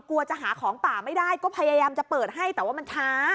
กลัวจะหาของป่าไม่ได้ก็พยายามจะเปิดให้แต่ว่ามันช้า